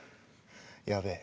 やべえ。